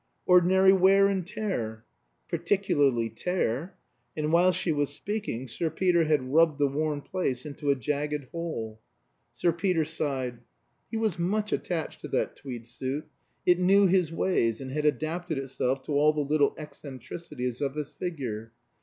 "Ordinary wear and tear." "Particularly tear." And while she was speaking Sir Peter had rubbed the worn place into a jagged hole. Sir Peter sighed. He was much attached to that tweed suit; it knew his ways, and had adapted itself to all the little eccentricities of his figure.